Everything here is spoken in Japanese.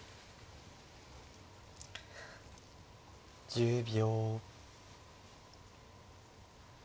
１０秒。